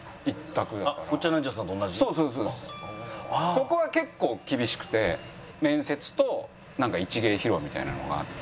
ここは結構厳しくて面接となんか一芸披露みたいなのがあって。